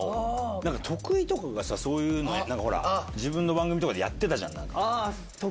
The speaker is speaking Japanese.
徳井とかがそういうの自分の番組でやってたじゃん。